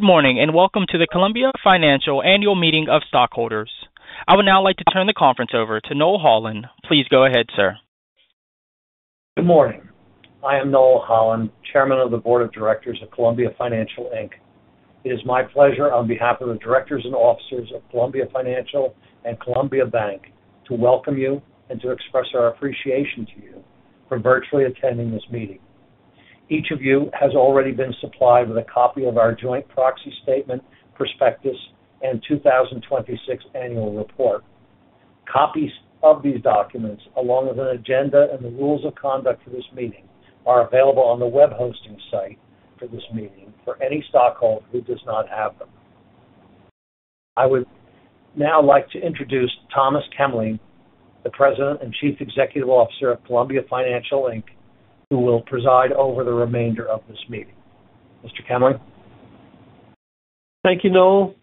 Good morning, and welcome to the Columbia Financial Annual Meeting of Stockholders. I would now like to turn the conference over to Noel Holland. Please go ahead, sir. Good morning. I am Noel Holland, Chairman of the Board of Directors of Columbia Financial Inc. It is my pleasure on behalf of the Directors and Officers of Columbia Financial and Columbia Bank to welcome you and to express our appreciation to you for virtually attending this meeting. Each of you has already been supplied with a copy of our Joint Proxy Statement, Prospectus, and 2026 Annual Report. Copies of these documents, along with an Agenda and the Rules of Conduct for this meeting, are available on the web hosting site for this meeting for any stockholder who does not have them. I would now like to introduce Thomas J. Kemly, the President and Chief Executive Officer of Columbia Financial Inc., who will preside over the remainder of this meeting. Mr. Kemly. Thank you, Noel.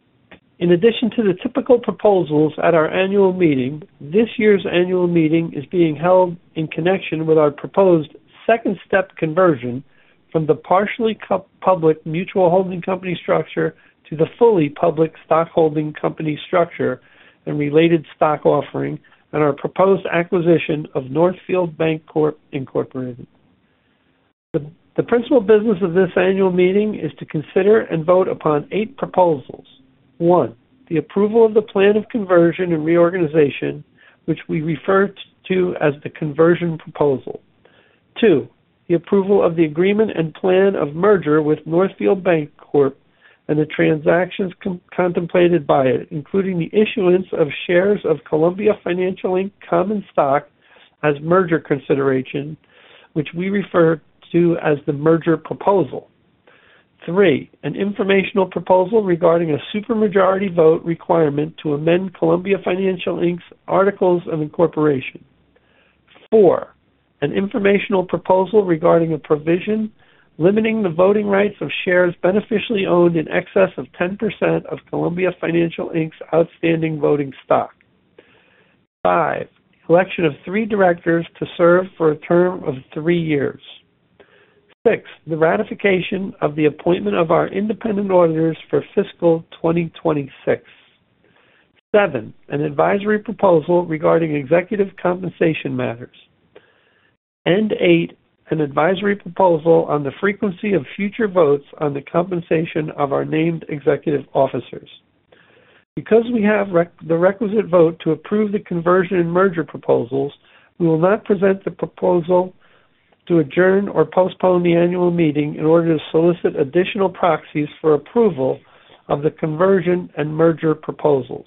In addition to the typical proposals at our annual meeting, this year's annual meeting is being held in connection with our proposed second-step conversion from the partially public mutual holding company structure to the fully public stock holding company structure and related stock offering and our proposed acquisition of Northfield Bancorp, Inc. The principal business of this annual meeting is to consider and vote upon eight proposals. One, the approval of the Plan of Conversion and Reorganization, which we refer to as the Conversion Proposal. Two, the approval of the agreement and plan of merger with Northfield Bancorp, Inc. and the transactions contemplated by it, including the issuance of shares of Columbia Financial Inc. common stock as merger consideration, which we refer to as the Merger Proposal. Three, an informational proposal regarding a supermajority vote requirement to amend Columbia Financial Inc.'s Articles of Incorporation. Four, an informational proposal regarding a provision limiting the voting rights of shares beneficially owned in excess of 10% of Columbia Financial Inc.'s outstanding voting stock. Five, Election of Three Directors to serve for a term of three years. Six, the Ratification of the Appointment of our Independent Auditors for Fiscal 2026. Seven, an Advisory Proposal Regarding Executive Compensation Matters. Eight, an Advisory Proposal on the Frequency of future votes on the compensation of our Named Executive Officers. Because we have the requisite vote to approve the Conversion and Merger Proposals, we will not present the proposal to adjourn or postpone the annual meeting in order to solicit additional proxies for approval of the conversion and merger proposals.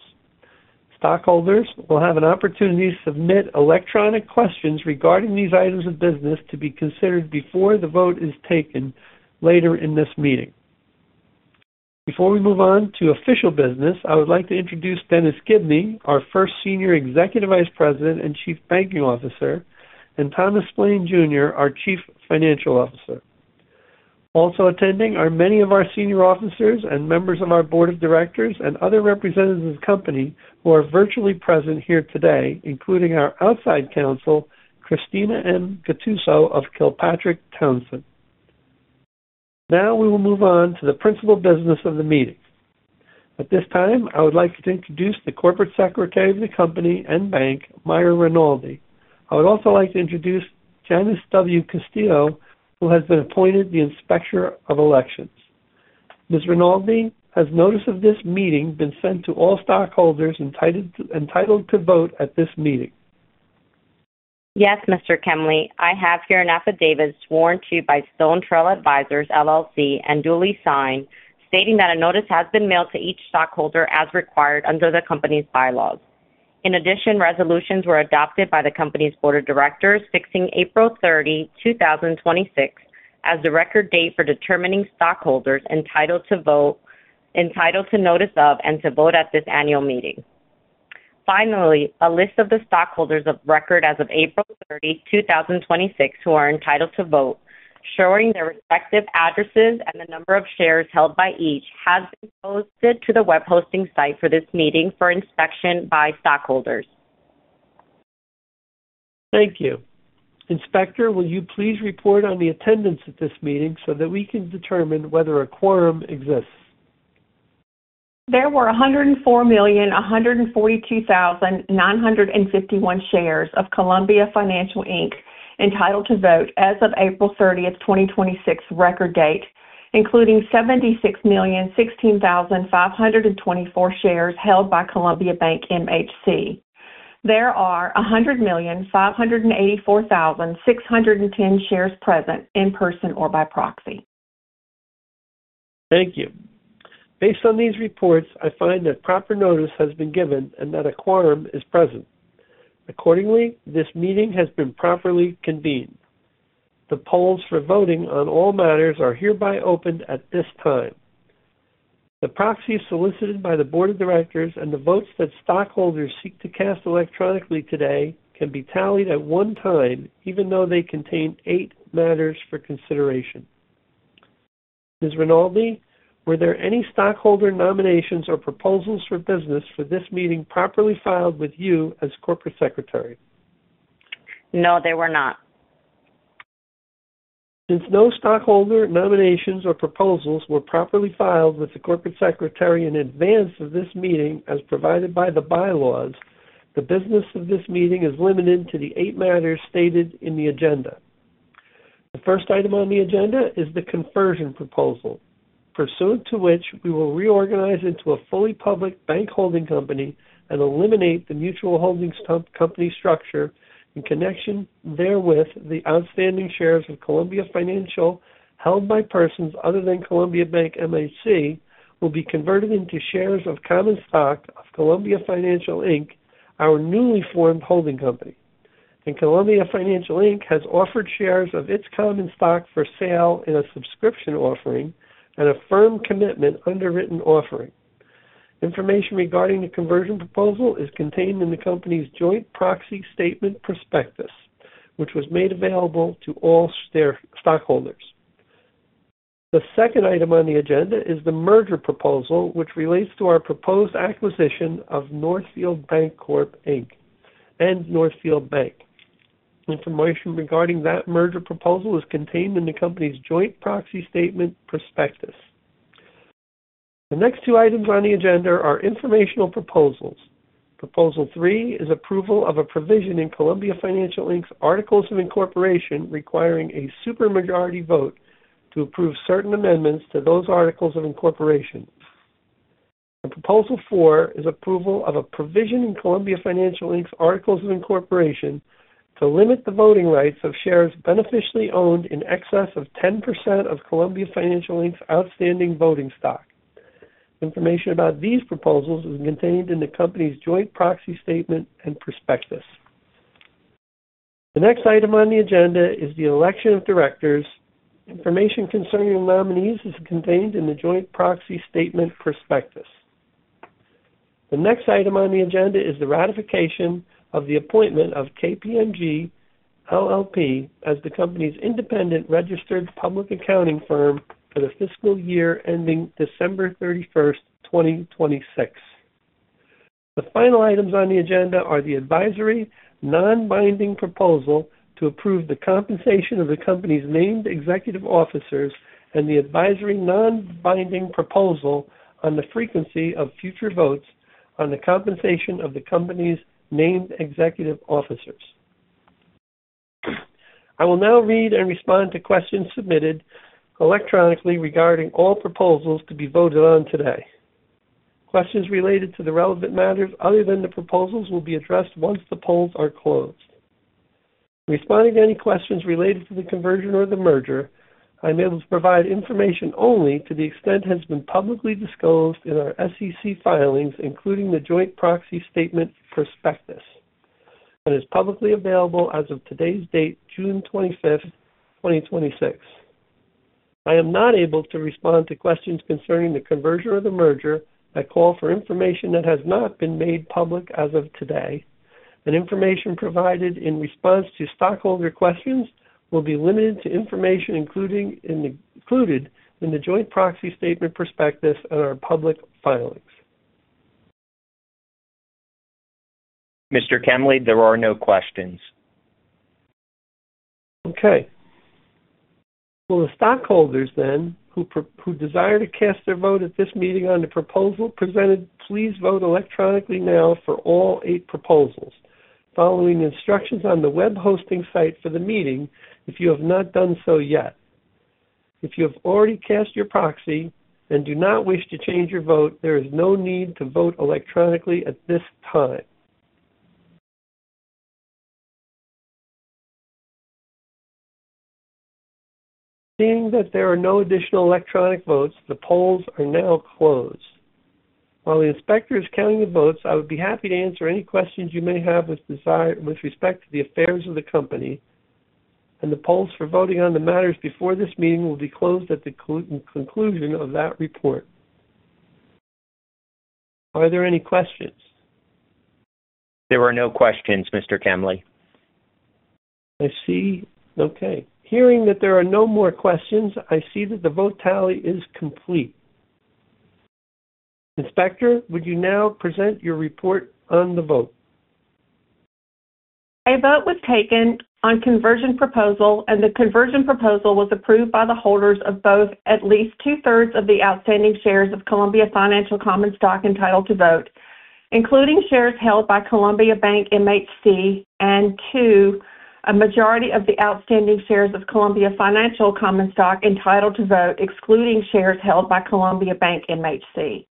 Stockholders will have an opportunity to submit electronic questions regarding these items of business to be considered before the vote is taken later in this meeting. Before we move on to official business, I would like to introduce Dennis Gibney, our first Senior Executive Vice President and Chief Banking Officer, and Thomas Splaine, Jr., our Chief Financial Officer. Also attending are many of our Senior Officers and members of our Board of Directors and other representatives of the Company who are virtually present here today, including our Outside Counsel, Christina N. Gattuso of Kilpatrick Townsend. We will move on to the principal business of the meeting. At this time, I would like to introduce the Corporate Secretary of the Company and bank, Mayra L. Rinaldi. I would also like to introduce Janice W. Castillo, who has been appointed the Inspector of Elections. Ms. Rinaldi, has notice of this meeting been sent to all stockholders entitled to vote at this meeting? Yes, Mr. Kemly. I have here an affidavit sworn to by Stone Street Advisors LLC and duly signed, stating that a notice has been mailed to each stockholder as required under the Company's Bylaws. In addition, resolutions were adopted by the Company's Board of Directors, fixing April 30, 2026, as the record date for determining stockholders entitled to notice of and to vote at this Annual Meeting. Finally, a list of the stockholders of record as of April 30, 2026, who are entitled to vote, showing their respective addresses and the number of shares held by each, has been posted to the web hosting site for this meeting for inspection by stockholders. Thank you. Inspector, will you please report on the attendance at this meeting so that we can determine whether a quorum exists? There were 104,142,951 shares of Columbia Financial, Inc. entitled to vote as of April 30, 2026, record date, including 76,016,524 shares held by Columbia Bank MHC. There are 100,584,610 shares present in person or by proxy. Thank you. Based on these reports, I find that proper notice has been given and that a quorum is present. Accordingly, this meeting has been properly convened. The polls for voting on all matters are hereby opened at this time. The proxies solicited by the Board of Directors and the votes that stockholders seek to cast electronically today can be tallied at one time, even though they contain eight matters for consideration. Ms. Rinaldi, were there any stockholder nominations or proposals for business for this meeting properly filed with you as Corporate Secretary? No, there were not. Since no stockholder nominations or proposals were properly filed with the corporate secretary in advance of this meeting as provided by the bylaws, the business of this meeting is limited to the eight matters stated in the agenda. The first item on the agenda is the conversion proposal, pursuant to which we will reorganize into a fully public bank holding company and eliminate the mutual holdings company structure. In connection therewith, the outstanding shares of Columbia Financial held by persons other than Columbia Bank MHC will be converted into shares of common stock of Columbia Financial Inc., our newly formed holding company. Columbia Financial Inc. has offered shares of its common stock for sale in a subscription offering and a firm commitment underwritten offering. Information regarding the Conversion Proposal is contained in the Company's Joint Proxy Statement Prospectus, which was made available to all stockholders. The second item on the Agenda is the Merger Proposal, which relates to our proposed acquisition of Northfield Bancorp, Inc. and Northfield Bank. Information regarding that merger proposal is contained in the Company's Joint Proxy Statement Prospectus. The next two items on the agenda are informational proposals. Proposal three is approval of a provision in Columbia Financial Inc.'s Articles of Incorporation requiring a super majority vote to approve certain amendments to those Articles of Incorporation. Proposal four is approval of a provision in Columbia Financial Inc.'s Articles of Incorporation to limit the voting rights of shares beneficially owned in excess of 10% of Columbia Financial Inc.'s outstanding voting stock. Information about these proposals is contained in the Company's Joint Proxy Statement and Prospectus. The next item on the agenda is the Election of Directors. Information concerning the nominees is contained in the Joint Proxy Statement Prospectus. The next item on the agenda is the ratification of the appointment of KPMG LLP as the Company's Independent Registered Public Accounting Firm for the fiscal year ending December 31, 2026. The final items on the agenda are the advisory, non-binding proposal to approve the compensation of the company's named executive officers and the advisory, non-binding proposal on the frequency of future votes on the compensation of the company's named executive officers. I will now read and respond to questions submitted electronically regarding all proposals to be voted on today. Questions related to the relevant matters other than the proposals will be addressed once the polls are closed. In responding to any questions related to the conversion or the merger, I'm able to provide information only to the extent it has been publicly disclosed in our SEC filings, including the Joint Proxy Statement Prospectus, and is publicly available as of today's date, June 25, 2026. I am not able to respond to questions concerning the conversion or the merger that call for information that has not been made public as of today. Information provided in response to stockholder questions will be limited to information included in the Joint Proxy Statement Prospectus and our Public Filings. Mr. Kemly, there are no questions. Okay. Will the stockholders then, who desire to cast their vote at this meeting on the proposal presented, please vote electronically now for all eight proposals, following the instructions on the web hosting site for the meeting if you have not done so yet. If you have already cast your proxy and do not wish to change your vote, there is no need to vote electronically at this time. Seeing that there are no additional electronic votes, the polls are now closed. While the inspector is counting the votes, I would be happy to answer any questions you may have with respect to the affairs of the company, and the polls for voting on the matters before this meeting will be closed at the conclusion of that report. Are there any questions? There are no questions, Mr. Kemly. I see. Okay. Hearing that there are no more questions, I see that the vote tally is complete. Inspector, would you now present your report on the vote? A vote was taken on conversion proposal, and the conversion proposal was approved by the holders of both at least two-thirds of the outstanding shares of Columbia Financial common stock entitled to vote, including shares held by Columbia Bank MHC, and two, a majority of the outstanding shares of Columbia Financial common stock entitled to vote, excluding shares held by Columbia Bank MHC.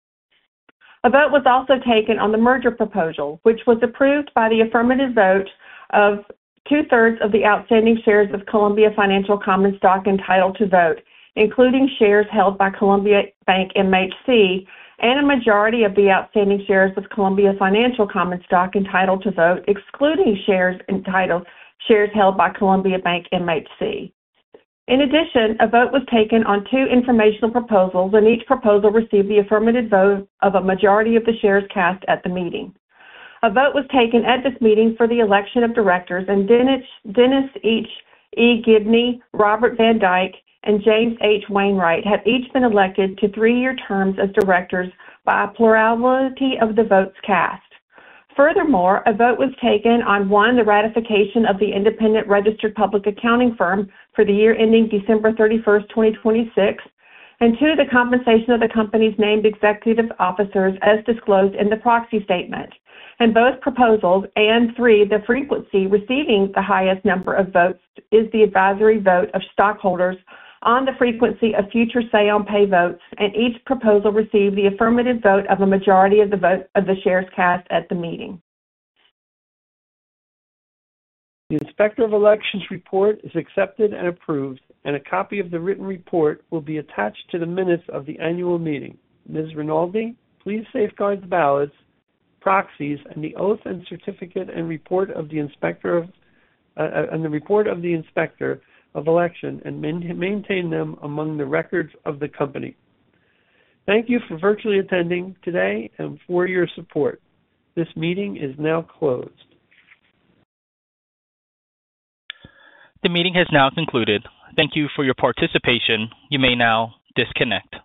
A vote was also taken on the merger proposal, which was approved by the affirmative vote of two-thirds of the outstanding shares of Columbia Financial common stock entitled to vote, including shares held by Columbia Bank MHC, and a majority of the outstanding shares of Columbia Financial common stock entitled to vote, excluding shares held by Columbia Bank MHC. In addition, a vote was taken on two informational proposals, and each proposal received the affirmative vote of a majority of the shares cast at the meeting. A vote was taken at this meeting for the election of directors, and Dennis E. Gibney, Robert Van Dyk, and James H. Wainwright have each been elected to three-year terms as directors by a plurality of the votes cast. Furthermore, a vote was taken on, one, the ratification of the independent registered public accounting firm for the year ending December thirty-first, twenty twenty-six. Two, the compensation of the company's named executive officers as disclosed in the proxy statement. In both proposals, and three, the frequency receiving the highest number of votes is the advisory vote of stockholders on the frequency of future say on pay votes, and each proposal received the affirmative vote of a majority of the shares cast at the meeting. The Inspector of Elections report is accepted and approved, and a copy of the written report will be attached to the minutes of the annual meeting. Ms. Rinaldi, please safeguard the ballots, proxies, and the oath and certificate and report of the Inspector of Election and maintain them among the records of the company. Thank you for virtually attending today and for your support. This meeting is now closed. The meeting has now concluded. Thank you for your participation. You may now disconnect.